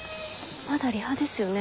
まだリハですよね？